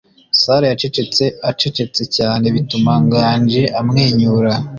Sarah yacecetse acecetse cyane bituma Nganji amwenyura.